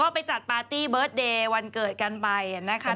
ไปจัดปาร์ตี้เบิร์ตเดย์วันเกิดกันไปนะคะ